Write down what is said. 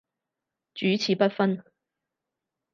主次不分